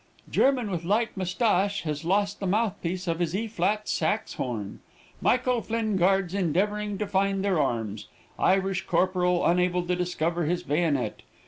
German with light moustache has lost the mouth piece of his E flat saxe horn; Michael Flinn Guards endeavoring to find their arms. Irish corporal unable to discover his bayonet.